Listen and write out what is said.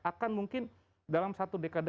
akan mungkin dalam satu dekade